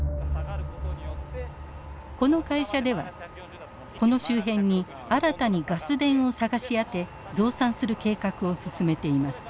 この会社ではこの周辺に新たにガス田を探し当て増産する計画を進めています。